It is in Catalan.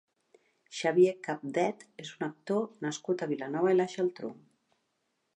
Xavier Capdet és un actor nascut a Vilanova i la Geltrú.